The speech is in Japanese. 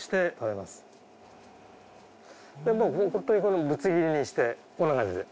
ホントにぶつ切りにしてこんな感じで。